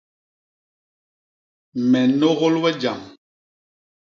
Me nnôgôl we jam.